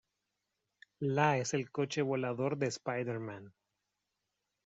La es el coche volador de Spider-Man.